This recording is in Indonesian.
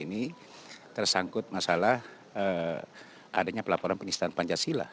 ini tersangkut masalah adanya pelaporan penistaan pancasila